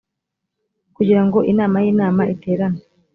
kugira ngo inama y inama iterane